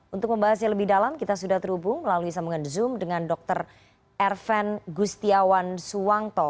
untuk membahasnya lebih dalam kita sudah terhubung melalui sambungan zoom dengan dr erven gustiawan suwanto